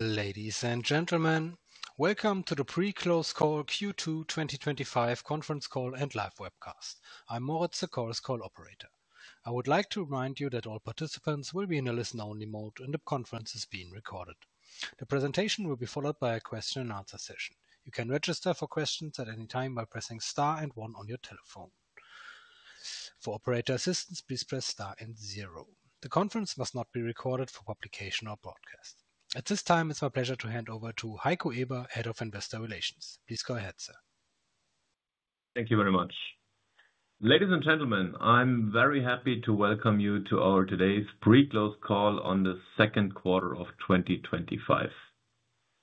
Ladies and gentlemen, welcome to the pre-close call Q2 2025 conference call and live webcast. I'm Moritz, the call's call operator. I would like to remind you that all participants will be in a listen-only mode and the conference is being recorded. The presentation will be followed by a question and answer session. You can register for questions at any time by pressing star and one on your telephone. For operator assistance, please press star and zero. The conference must not be recorded for publication or broadcast. At this time, it's my pleasure to hand over to Heiko Eber, Head of Investor Relations. Please go ahead, sir. Thank you very much. Ladies and gentlemen, I'm very happy to welcome you to our today's pre-close call on the second quarter of 2025.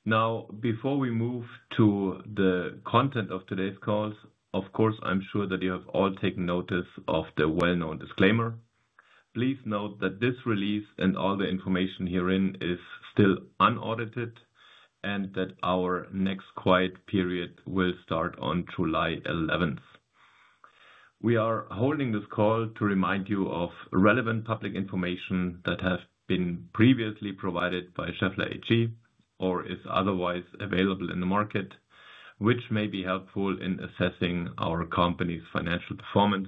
Now, before we move to the content of today's calls, I'm sure that you have all taken notice of the well-known disclaimer. Please note that this release and all the information herein is still unaudited and that our next quiet period will start on July 11. We are holding this call to remind you of relevant public information that has been previously provided by Schaeffler AG or is otherwise available in the market, which may be helpful in assessing our company's financial performance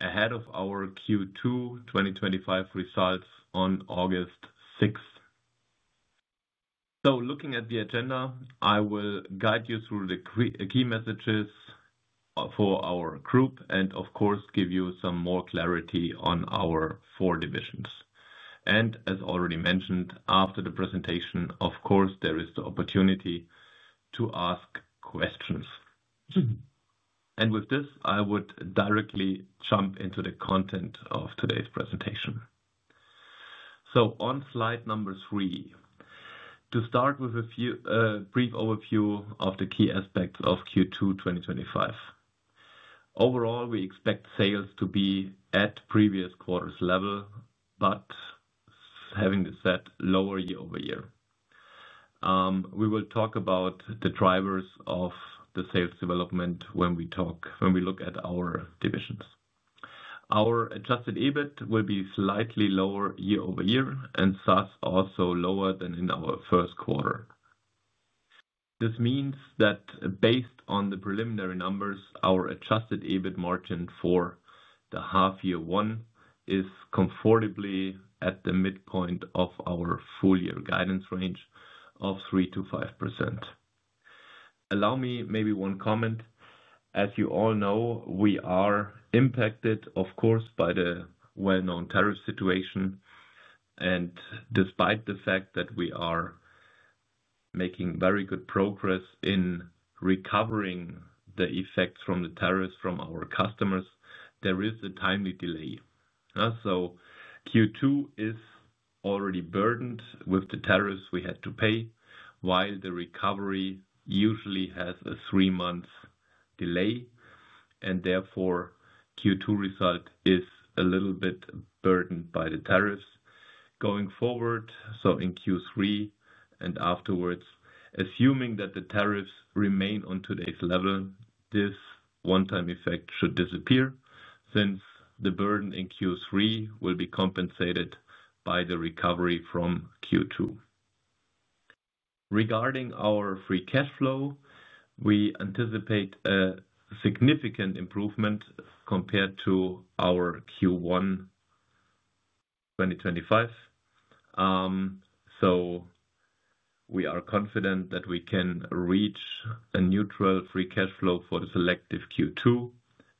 ahead of our Q2 2025 results on August 6. Looking at the agenda, I will guide you through the key messages for our group and, of course, give you some more clarity on our four divisions. As already mentioned, after the presentation, there is the opportunity to ask questions. With this, I would directly jump into the content of today's presentation. On slide number three, to start with a brief overview of the key aspects of Q2 2025. Overall, we expect sales to be at previous quarters' level, but having this said, lower year over year. We will talk about the drivers of the sales development when we look at our divisions. Our adjusted EBIT will be slightly lower year over year, and thus also lower than in our first quarter. This means that based on the preliminary numbers, our adjusted EBIT margin for the half-year one is comfortably at the midpoint of our full-year guidance range of 3% to 5%. Allow me maybe one comment. As you all know, we are impacted, of course, by the well-known tariff situation. Despite the fact that we are making very good progress in recovering the effects from the tariffs from our customers, there is a timely delay. Q2 is already burdened with the tariffs we had to pay, while the recovery usually has a three-month delay. Therefore, the Q2 result is a little bit burdened by the tariffs. Going forward, in Q3 and afterwards, assuming that the tariffs remain on today's level, this one-time effect should disappear since the burden in Q3 will be compensated by the recovery from Q2. Regarding our free cash flow, we anticipate a significant improvement compared to our Q1 2025. We are confident that we can reach a neutral free cash flow for the selective Q2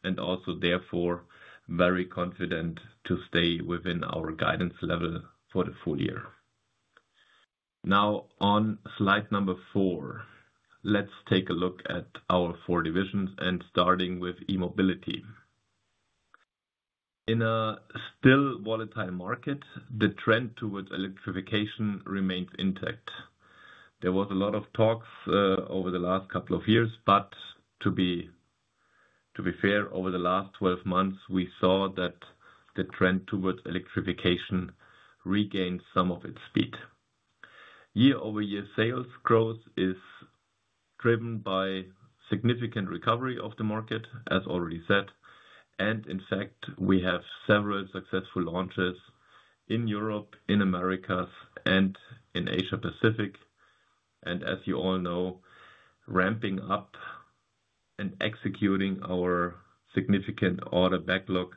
and also therefore very confident to stay within our guidance level for the full year. Now, on slide number four, let's take a look at our four divisions and starting with E-Mobility. In a still volatile market, the trend towards electrification remains intact. There was a lot of talks over the last couple of years, but to be fair, over the last 12 months, we saw that the trend towards electrification regained some of its speed. Year-over-year sales growth is driven by a significant recovery of the market, as already said. In fact, we have several successful launches in Europe, in America, and in Asia-Pacific. As you all know, ramping up and executing our significant order backlog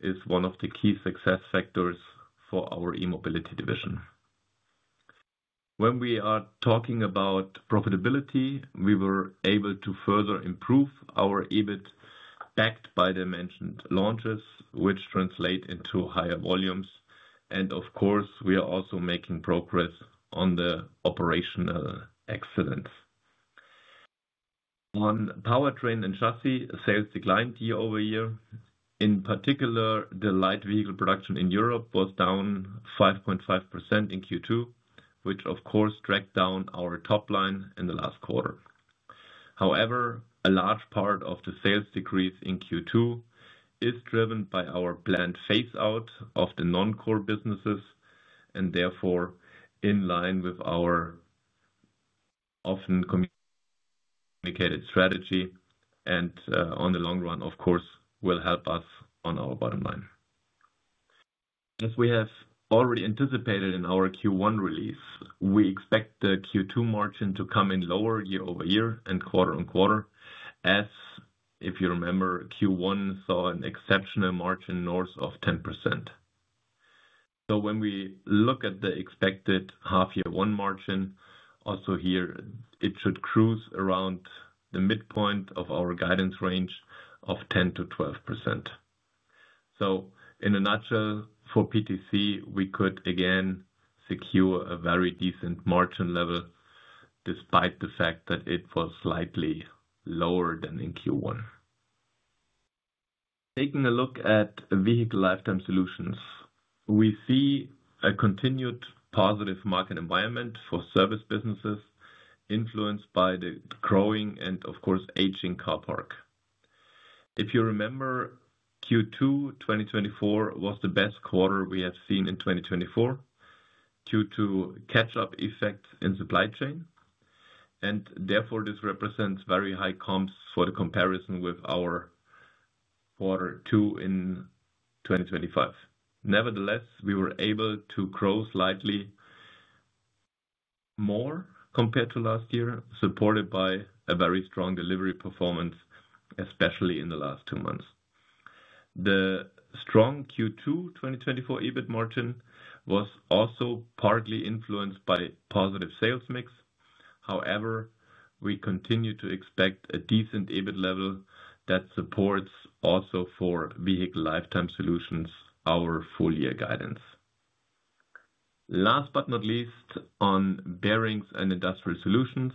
is one of the key success factors for our E-Mobility division. When we are talking about profitability, we were able to further improve our EBIT backed by the mentioned launches, which translate into higher volumes. Of course, we are also making progress on the operational excellence. On Powertrain & Chassis, sales declined year over year. In particular, the light vehicle production in Europe was down 5.5% in Q2, which of course dragged down our top line in the last quarter. However, a large part of the sales decrease in Q2 is driven by our planned phase-out of the non-core businesses and therefore in line with our often communicated strategy. On the long run, of course, will help us on our bottom line. As we have already anticipated in our Q1 release, we expect the Q2 margin to come in lower year over year and quarter on quarter, as if you remember, Q1 saw an exceptional margin north of 10%. When we look at the expected half-year one margin, also here, it should cruise around the midpoint of our guidance range of 10% to 12%. In a nutshell, for PTC, we could again secure a very decent margin level despite the fact that it was slightly lower than in Q1. Taking a look at Vehicle Lifetime Solutions, we see a continued positive market environment for service businesses influenced by the growing and, of course, aging car park. If you remember, Q2 2024 was the best quarter we have seen in 2024. Due to catch-up effects in supply chain, and therefore this represents very high comps for the comparison with our quarter two in 2025. Nevertheless, we were able to grow slightly more compared to last year, supported by a very strong delivery performance, especially in the last two months. The strong Q2 2024 EBIT margin was also partly influenced by a positive sales mix. However, we continue to expect a decent EBIT level that supports also for Vehicle Lifetime Solutions, our full-year guidance. Last but not least, on Bearings & Industrial Solutions,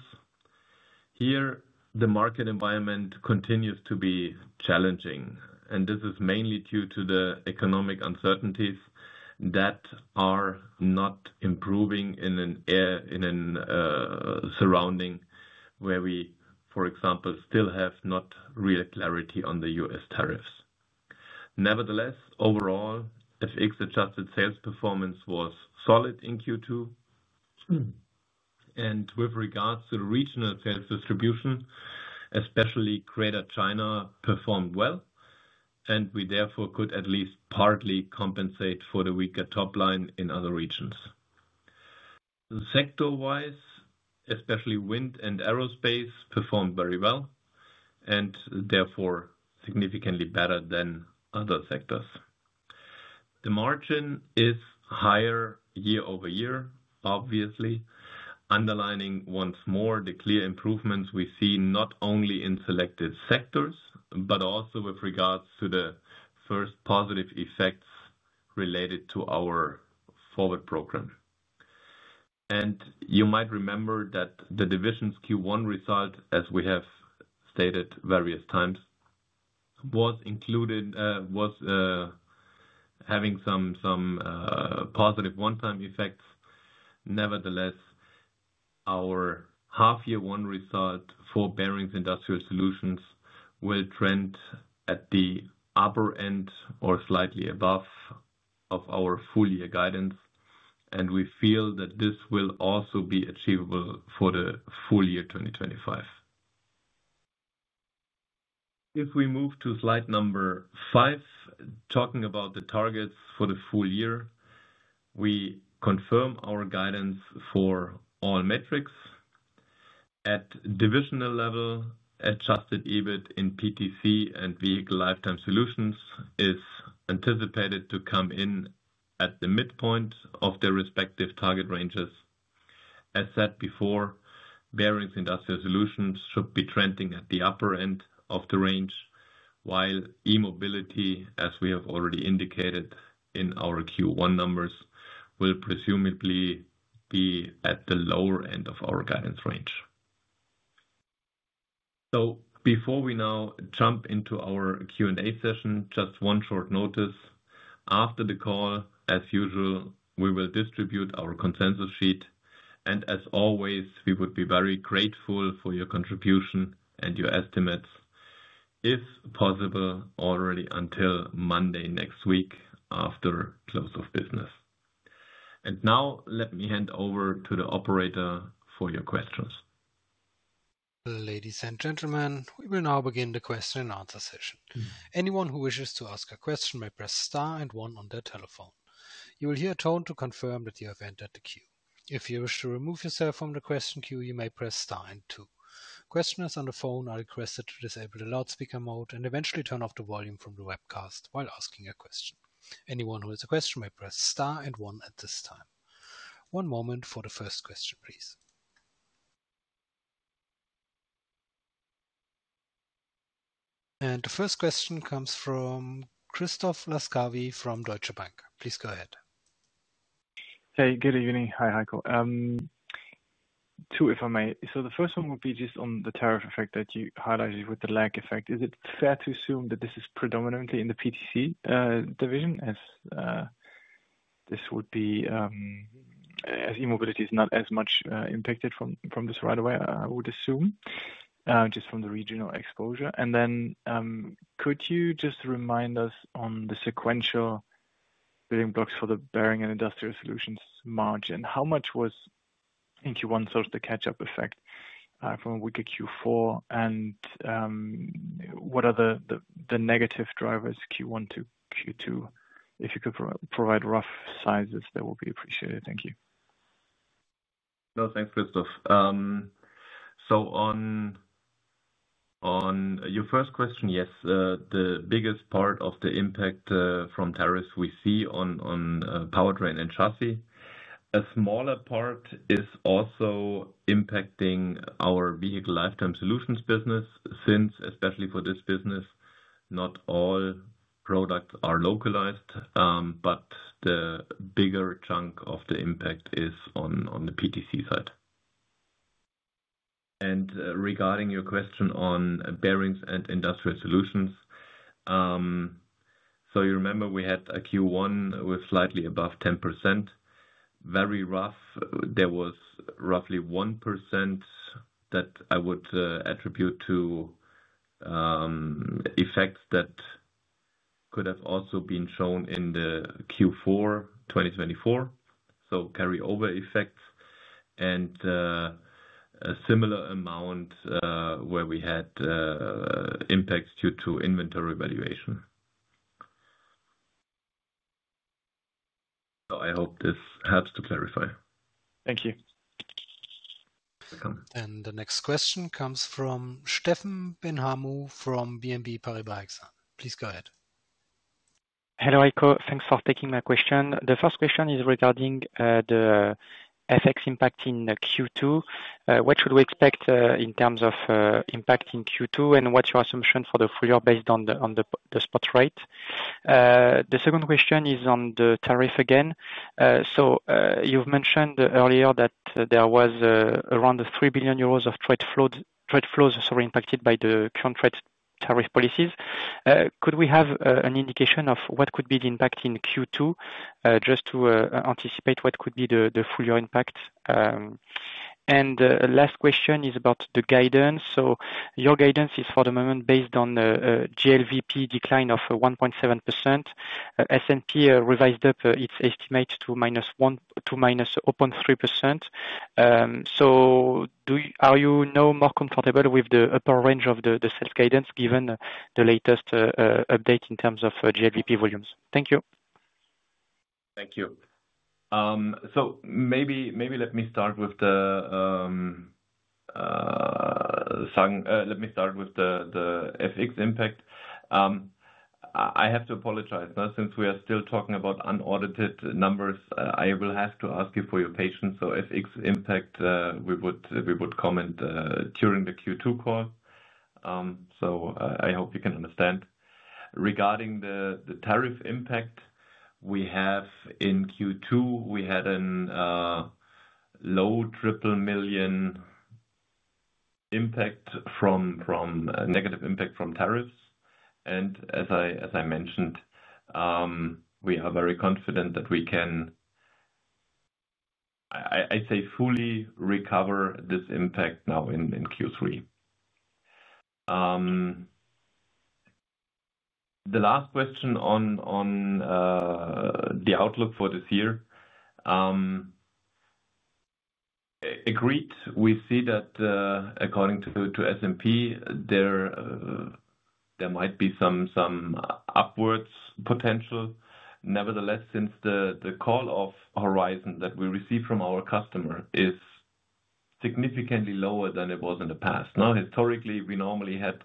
here, the market environment continues to be challenging. This is mainly due to the economic uncertainties that are not improving in an area surrounding where we, for example, still have not real clarity on the U.S. tariffs. Nevertheless, overall, FX-adjusted sales performance was solid in Q2. With regards to the regional sales distribution, especially Greater China performed well. We therefore could at least partly compensate for the weaker top line in other regions. Sector-wise, especially wind and aerospace performed very well and therefore significantly better than other sectors. The margin is higher year over year, obviously, underlining once more the clear improvements we see not only in selected sectors, but also with regards to the first positive effects related to our forward program. You might remember that the division's Q1 result, as we have stated various times, was included having some positive one-time effects. Nevertheless, our half-year one result for Bearings & Industrial Solutions will trend at the upper end or slightly above of our full-year guidance. We feel that this will also be achievable for the full year 2025. If we move to slide number five, talking about the targets for the full year, we confirm our guidance for all metrics. At the divisional level, adjusted EBIT in Powertrain & Chassis and Vehicle Lifetime Solutions is anticipated to come in at the midpoint of their respective target ranges. As said before, Bearings & Industrial Solutions should be trending at the upper end of the range, while E-Mobility, as we have already indicated in our Q1 numbers, will presumably be at the lower end of our guidance range. Before we now jump into our Q&A session, just one short notice. After the call, as usual, we will distribute our consensus sheet. As always, we would be very grateful for your contribution and your estimates, if possible, already until Monday next week after close of business. Now, let me hand over to the operator for your questions. Ladies and gentlemen, we will now begin the question and answer session. Anyone who wishes to ask a question may press star and one on their telephone. You will hear a tone to confirm that you have entered the queue. If you wish to remove yourself from the question queue, you may press star and two. Questioners on the phone are requested to disable the loudspeaker mode and eventually turn off the volume from the webcast while asking a question. Anyone who has a question may press star and one at this time. One moment for the first question, please. The first question comes from Christoph Laskawi from Deutsche Bank. Please go ahead. Hey, good evening. Hi, Heiko. Two, if I may. The first one would be just on the tariff effect that you highlighted with the lag effect. Is it fair to assume that this is predominantly in the Powertrain & Chassis division as this would be as E-Mobility is not as much impacted from this right away? I would assume just from the regional exposure. Could you just remind us on the sequential building blocks for the Bearings & Industrial Solutions margin? How much was in Q1, sort of the catch-up effect from a weaker Q4? What are the negative drivers Q1 to Q2? If you could provide rough sizes, that would be appreciated. Thank you. No, thanks, Christoph. On your first question, yes, the biggest part of the impact from tariffs we see on Powertrain & Chassis. A smaller part is also impacting our Vehicle Lifetime Solutions business since, especially for this business, not all products are localized, but the bigger chunk of the impact is on the PTC side. Regarding your question on Bearings & Industrial Solutions, you remember we had a Q1 with slightly above 10%. Very rough, there was roughly 1% that I would attribute to effects that could have also been shown in Q4 2024. Carryover effects and a similar amount where we had impacts due to inventory evaluation. I hope this helps to clarify. Thank you. The next question comes from Stefan Benhamou from BNP Paribas Exane. Please go ahead. Hello, Heiko. Thanks for taking my question. The first question is regarding the FX impact in Q2. What should we expect in terms of impact in Q2, and what's your assumption for the full year based on the spot rate? The second question is on the tariff again. You've mentioned earlier that there was around €3 billion of trade flows that were impacted by the current trade tariff policies. Could we have an indication of what could be the impact in Q2 just to anticipate what could be the full-year impact? The last question is about the guidance. Your guidance is for the moment based on the GLVP decline of 1.7%. S&P revised up its estimates to minus 1.3%. Are you now more comfortable with the upper range of the sales guidance given the latest update in terms of GLVP volumes? Thank you. Thank you. Maybe let me start with the FX impact. I have to apologize. Since we are still talking about unaudited numbers, I will have to ask you for your patience. FX impact, we would comment during the Q2 call. I hope you can understand. Regarding the tariff impact, in Q2, we had a low triple million impact from negative impact from tariffs. As I mentioned, we are very confident that we can, I'd say, fully recover this impact now in Q3. The last question on the outlook for this year. Agreed. We see that according to S&P, there might be some upwards potential. Nevertheless, since the call-off horizon that we receive from our customer is significantly lower than it was in the past. Historically, we normally had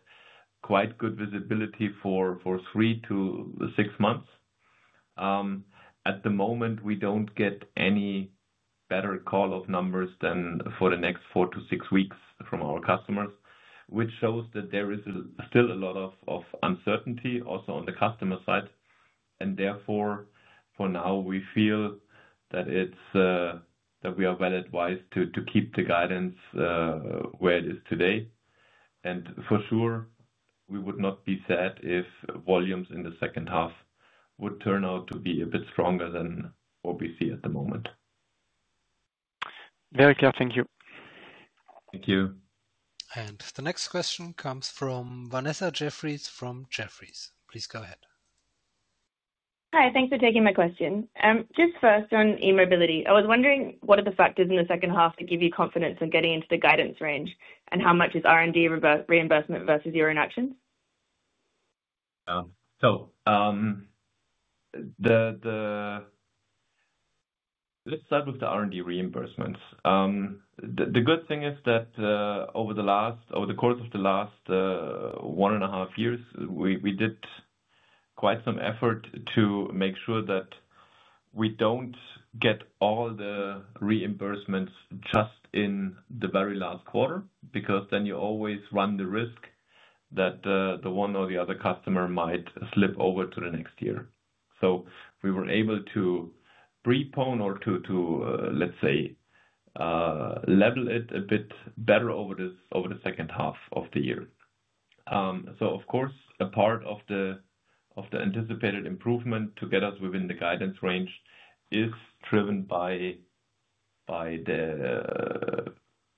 quite good visibility for three to six months. At the moment, we don't get any better call-off numbers than for the next four to six weeks from our customers, which shows that there is still a lot of uncertainty also on the customer side. Therefore, for now, we feel that we are well advised to keep the guidance where it is today. For sure, we would not be sad if volumes in the second half would turn out to be a bit stronger than what we see at the moment. Very clear. Thank you. Thank you. The next question comes from Vanessa Jeffries from Jefferies. Please go ahead. Hi. Thanks for taking my question. Just first, on E-Mobility, I was wondering what are the factors in the second half to give you confidence on getting into the guidance range, and how much is R&D reimbursement versus your own actions? Let's start with the R&D reimbursements. The good thing is that over the course of the last one and a half years, we did quite some effort to make sure that we don't get all the reimbursements just in the very last quarter because then you always run the risk that the one or the other customer might slip over to the next year. We were able to prepone or to, let's say, level it a bit better over the second half of the year. Of course, a part of the anticipated improvement to get us within the guidance range is driven by the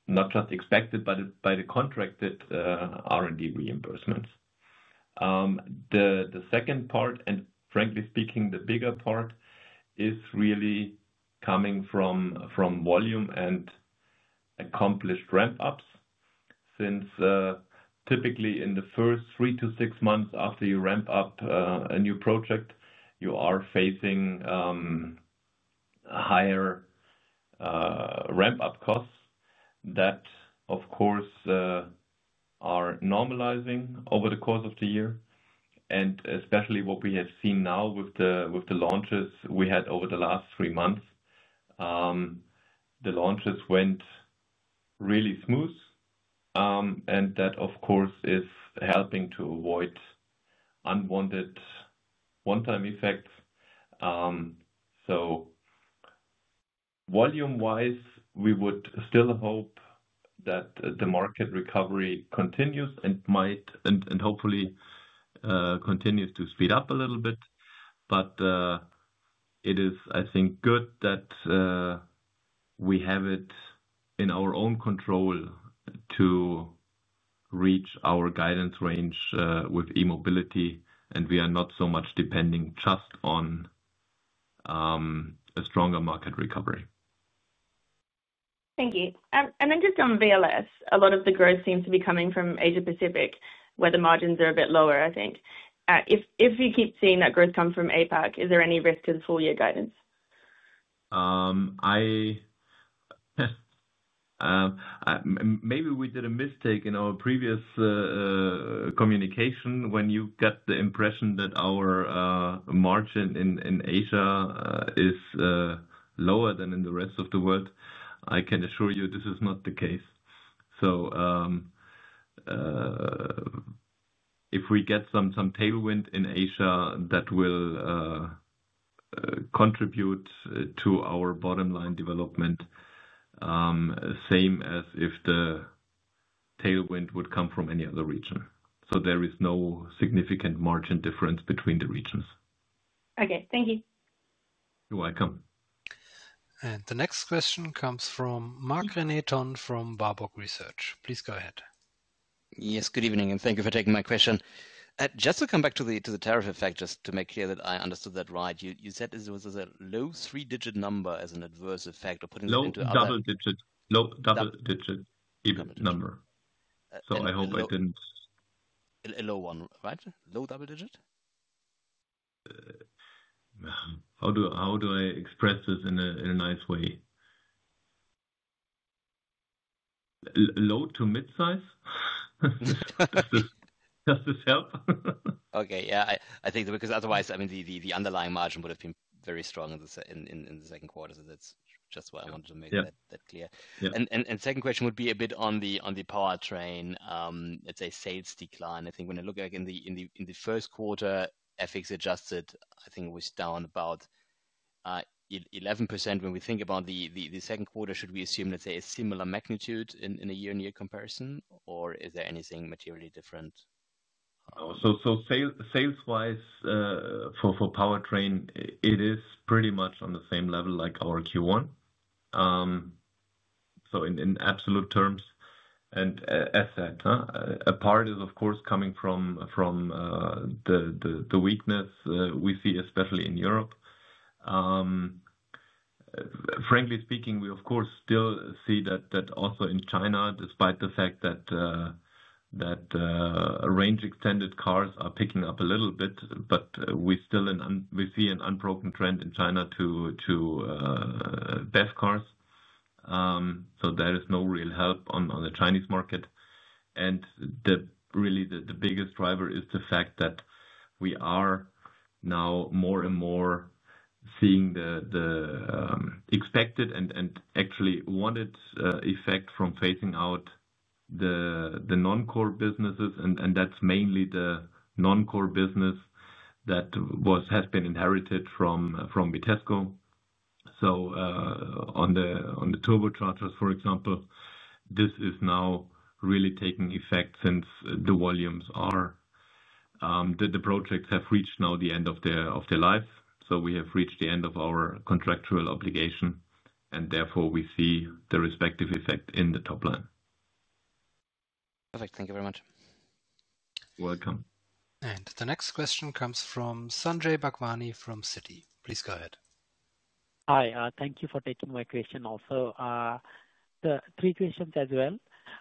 not just expected, but by the contracted R&D reimbursements. The second part, and frankly speaking, the bigger part is really coming from volume and accomplished ramp-ups since typically in the first three to six months after you ramp up a new project, you are facing higher ramp-up costs that, of course, are normalizing over the course of the year. Especially what we have seen now with the launches we had over the last three months, the launches went really smooth. That, of course, is helping to avoid unwanted one-time effects. Volume-wise, we would still hope that the market recovery continues and might, and hopefully, continues to speed up a little bit. It is, I think, good that we have it in our own control to reach our guidance range with E-Mobility, and we are not so much depending just on a stronger market recovery. Thank you. Just on Vehicle Lifetime Solutions, a lot of the growth seems to be coming from Asia-Pacific, where the margins are a bit lower, I think. If you keep seeing that growth come from Asia-Pacific, is there any risk to the full-year guidance? Maybe we did a mistake in our previous communication when you got the impression that our margin in Asia is lower than in the rest of the world. I can assure you this is not the case. If we get some tailwind in Asia, that will contribute to our bottom line development, same as if the tailwind would come from any other region. There is no significant margin difference between the regions. Okay, thank you. You're welcome. The next question comes from Mark René Thon from Babok Research. Please go ahead. Yes, good evening, and thank you for taking my question. Just to come back to the tariff effect, just to make clear that I understood that right, you said it was a low three-digit number as an adverse effect of putting it into our. Low double-digit EBIT number. I hope I didn't. A low one, right? Low double-digit? How do I express this in a nice way? Low to mid-size? Does this help? Okay. I think that because otherwise, I mean, the underlying margin would have been very strong in the second quarter. That's just what I wanted to make that clear. The second question would be a bit on the Powertrain & Chassis sales decline. I think when I look back in the first quarter, FX-adjusted, I think it was down about 11%. When we think about the second quarter, should we assume a similar magnitude in a year-on-year comparison, or is there anything materially different? for Powertrain & Chassis, it is pretty much on the same level like our Q1, in absolute terms. As said, a part is, of course, coming from the weakness we see, especially in Europe. Frankly speaking, we, of course, still see that also in China, despite the fact that range-extended cars are picking up a little bit, but we still see an unbroken trend in China to best cars. There is no real help on the Chinese market. Really, the biggest driver is the fact that we are now more and more seeing the expected and actually wanted effect from phasing out the non-core businesses. That's mainly the non-core business that has been inherited from Vitesco. On the turbochargers, for example, this is now really taking effect since the volumes or the projects have reached now the end of their life. We have reached the end of our contractual obligation, and therefore, we see the respective effect in the top line. Perfect. Thank you very much. You're welcome. The next question comes from Sanjay Bhagwani from Citi. Please go ahead. Hi. Thank you for taking my question also. Three questions as well.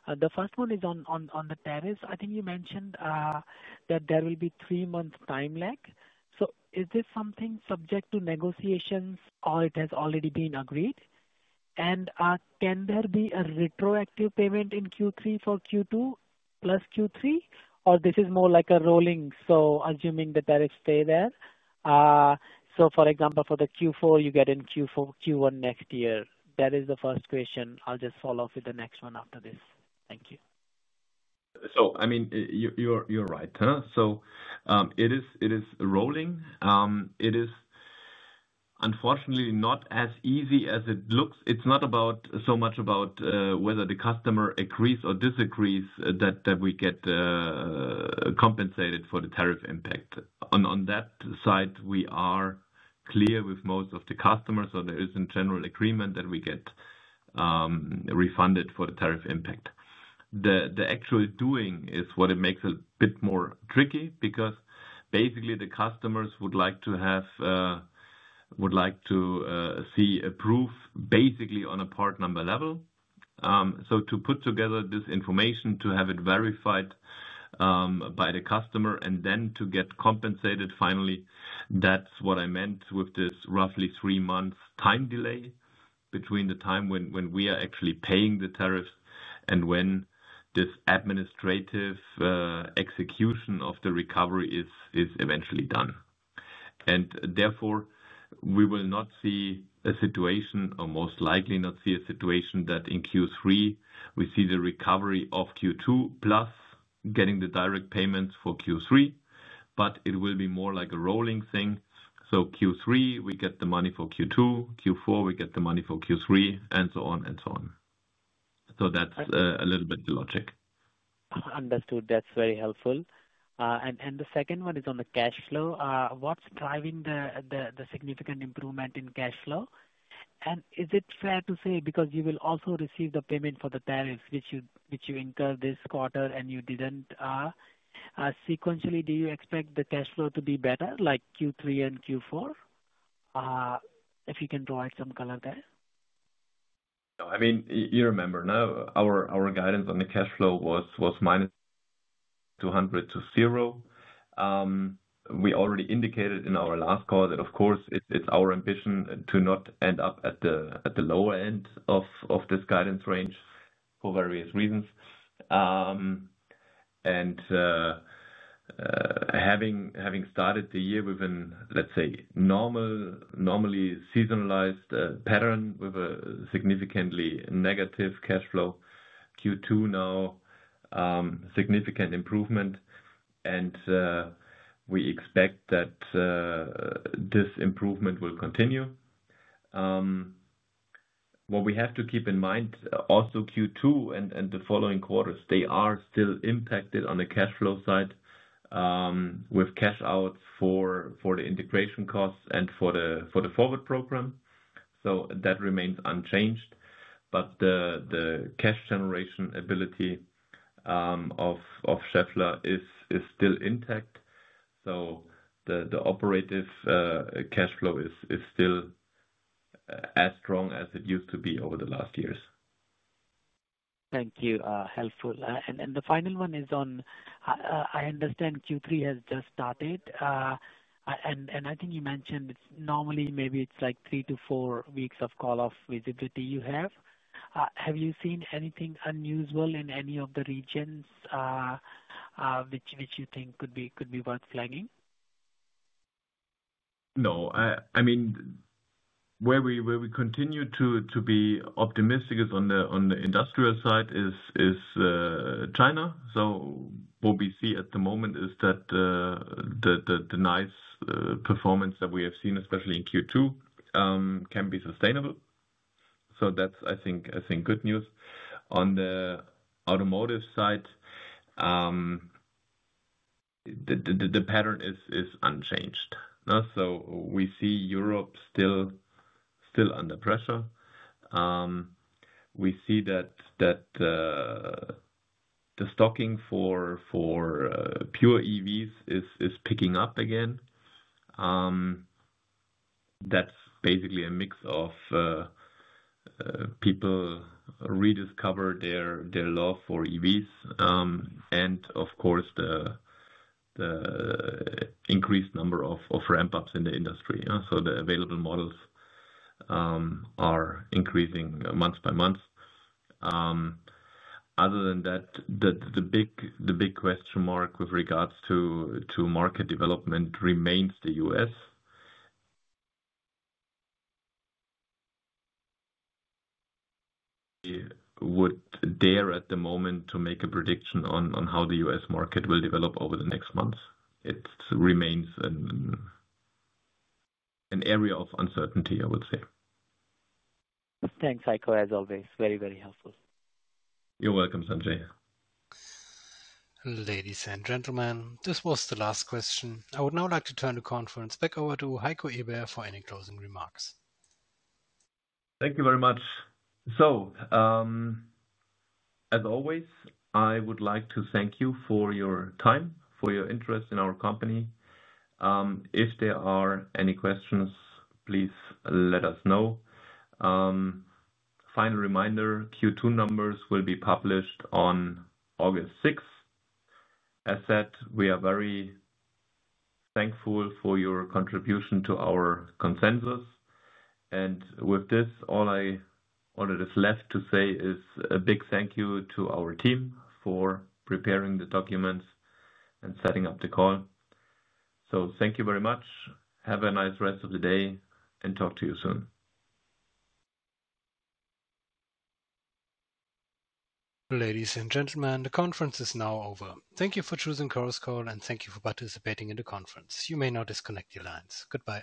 The first one is on the tariffs. I think you mentioned that there will be a three-month time lag. Is this something subject to negotiations or has it already been agreed? Can there be a retroactive payment in Q3 for Q2 plus Q3, or is this more like a rolling, assuming the tariffs stay there? For example, for Q4, you get in Q1 next year. That is the first question. I'll just follow up with the next one after this. Thank you. You're right. It is rolling. It is unfortunately not as easy as it looks. It's not so much about whether the customer agrees or disagrees that we get compensated for the tariff impact. On that side, we are clear with most of the customers. There is a general agreement that we get refunded for the tariff impact. The actual doing is what makes it a bit more tricky because basically, the customers would like to see a proof basically on a part number level. To put together this information, to have it verified by the customer, and then to get compensated finally, that's what I meant with this roughly three-month time delay between the time when we are actually paying the tariffs and when this administrative execution of the recovery is eventually done. Therefore, we will not see a situation or most likely not see a situation that in Q3, we see the recovery of Q2 plus getting the direct payments for Q3. It will be more like a rolling thing. Q3, we get the money for Q2. Q4, we get the money for Q3, and so on and so on. That's a little bit the logic. Understood. That's very helpful. The second one is on the cash flow. What's driving the significant improvement in cash flow? Is it fair to say because you will also receive the payment for the tariffs, which you incur this quarter and you didn't? Sequentially, do you expect the cash flow to be better, like Q3 and Q4? If you can provide some color there. I mean, you remember now, our guidance on the cash flow was minus $200 million to zero. We already indicated in our last call that, of course, it's our ambition to not end up at the lower end of this guidance range for various reasons. Having started the year within, let's say, normally seasonalized pattern with a significantly negative cash flow, Q2 now, significant improvement. We expect that this improvement will continue. What we have to keep in mind, also Q2 and the following quarters, they are still impacted on the cash flow side with cash outs for the integration costs and for the forward program. That remains unchanged. The cash generation ability of Schaeffler AG is still intact. The operative cash flow is still as strong as it used to be over the last years. Thank you. Helpful. The final one is on, I understand Q3 has just started. I think you mentioned it's normally maybe it's like three to four weeks of call-off visibility you have. Have you seen anything unusual in any of the regions which you think could be worth flagging? No. I mean, where we continue to be optimistic is on the industrial side in China. What we see at the moment is that the nice performance that we have seen, especially in Q2, can be sustainable. That's, I think, good news. On the automotive side, the pattern is unchanged. We see Europe still under pressure. We see that the stocking for pure EVs is picking up again. That's basically a mix of people rediscovering their love for EVs and, of course, the increased number of ramp-ups in the industry. The available models are increasing month by month. Other than that, the big question mark with regards to market development remains the U.S. We would not dare at the moment to make a prediction on how the U.S. market will develop over the next months. It remains an area of uncertainty, I would say. Thanks, Heiko, as always. Very, very helpful. You're welcome, Sanjay. Ladies and gentlemen, this was the last question. I would now like to turn the conference back over to Heiko Eber for any closing remarks. Thank you very much. As always, I would like to thank you for your time and for your interest in our company. If there are any questions, please let us know. Final reminder, Q2 numbers will be published on August 6th. As said, we are very thankful for your contribution to our consensus. With this, all that is left to say is a big thank you to our team for preparing the documents and setting up the call. Thank you very much. Have a nice rest of the day and talk to you soon. Ladies and gentlemen, the conference is now over. Thank you for choosing Close Call, and thank you for participating in the conference. You may now disconnect your lines. Goodbye.